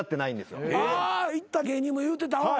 行った芸人も言うてた。